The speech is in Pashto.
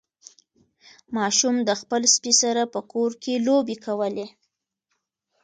ماشوم د خپل سپي سره په کور کې لوبې کولې.